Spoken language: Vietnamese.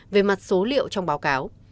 về mặt số liệu trong báo cáo